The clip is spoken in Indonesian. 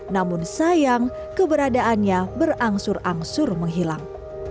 namun sayang keberadaannya berangsur angsur menghilang